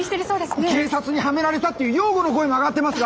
警察にはめられたっていう擁護の声も上がってますが？